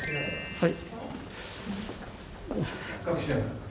はい。